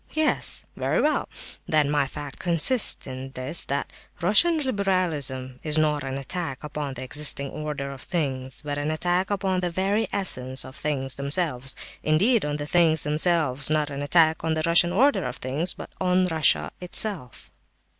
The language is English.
Yes. Very well. Then my 'fact' consists in this, that Russian liberalism is not an attack upon the existing order of things, but an attack upon the very essence of things themselves—indeed, on the things themselves; not an attack on the Russian order of things, but on Russia itself.